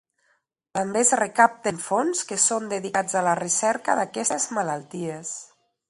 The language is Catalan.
També es recapten fons que són dedicats a la recerca d'aquestes malalties.